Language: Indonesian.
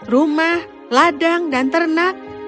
rumah ladang dan ternak